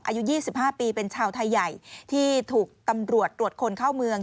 อายุ๒๕ปีเป็นชาวไทยใหญ่ที่ถูกตำรวจตรวจคนเข้าเมือง